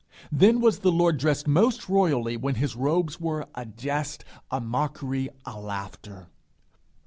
Then was the Lord dressed most royally when his robes were a jest, a mockery, a laughter.